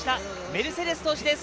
メルセデス投手です。